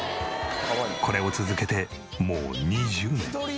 これを続けてもう２０年。